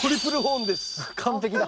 完璧だ。